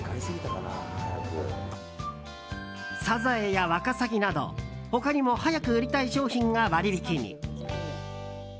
サザエやワカサギなど他にも早く売りたい商品が割引に。